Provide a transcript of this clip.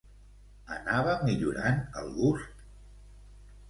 Anava millorant el gust?